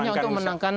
hanya untuk memenangkan